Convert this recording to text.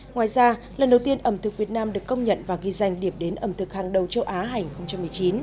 ngoài ra lần đầu tiên ẩm thực việt nam được công nhận và ghi danh điểm đến ẩm thực hàng đầu châu á hành hai nghìn một mươi chín